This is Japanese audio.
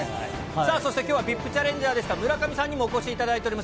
さあ、そしてきょうはＶＩＰチャレンジャーでした、村上さんにもお越しいただいております。